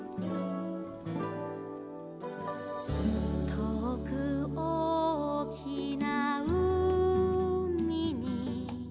「とおくおおきなうみに」